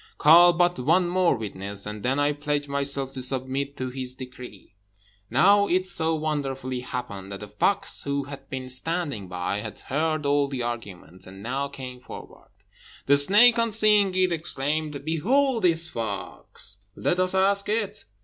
Call but one more witness, and then I pledge myself to submit to his decree." Now it so wonderfully happened that a fox, who had been standing by, had heard all the argument, and now came forward. The snake on seeing it exclaimed, "Behold this fox, let us ask it."